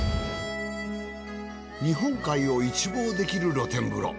日本海を一望できる露天風呂。